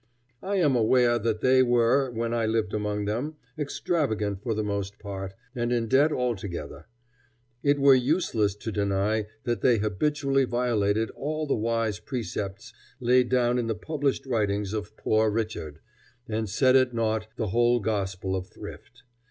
I am aware that they were, when I lived among them, extravagant for the most part, and in debt altogether. It were useless to deny that they habitually violated all the wise precepts laid down in the published writings of Poor Richard, and set at naught the whole gospel of thrift.